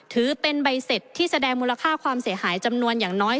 ถือเป็นใบเสร็จที่แสดงมูลค่าความเสียหายจำนวนอย่างน้อย